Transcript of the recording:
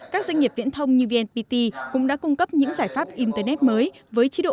các doanh nghiệp viễn thông như vnpt cũng đã cung cấp những giải pháp internet mới với chế độ